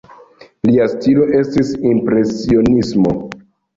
Lia stilo estis impresionismo.